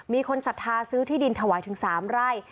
ศรัทธาซื้อที่ดินถวายถึง๓ไร่